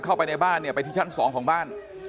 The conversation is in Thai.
เข้าไปในบ้านเนี่ยไปที่ชั้น๒ของบ้าน